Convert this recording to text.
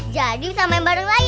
jadi kita main bareng lagi